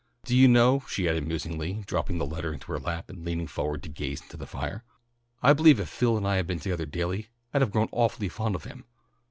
Do you know," she added musingly, dropping the letter into her lap and leaning forward to gaze into the fire, "I believe if Phil and I had been togethah daily I'd have grown awfully fond of him.